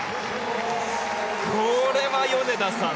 これは米田さん